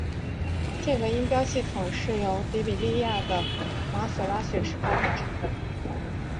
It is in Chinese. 这个音标系统是由提比哩亚的马所拉学士发展成的。